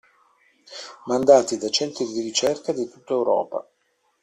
Mandati da centri di ricerca di tutta Europa.